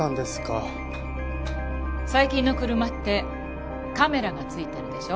最近の車ってカメラが付いているでしょ？